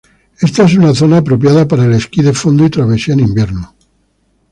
Esta es una zona apropiada para el esquí de fondo y travesía en invierno.